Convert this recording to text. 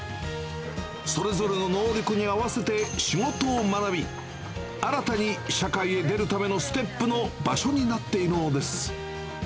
それぞれの能力に合わせて仕事を学び、新たに社会へ出るためのステップの場所になっているのです。